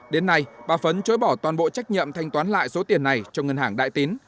đến nay bà phấn chối bỏ toàn bộ trách nhiệm thanh toán lại số tiền này cho ngân hàng đại tín